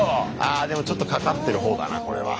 あでもちょっとかかってる方だなこれは。